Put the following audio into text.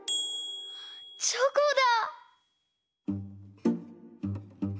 チョコだ。